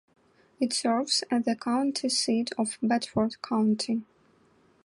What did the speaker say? It serves as the county seat of Bedford County.